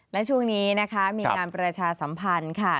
และช่วงนี้นะคะมีงานประชาสัมพันธ์ค่ะ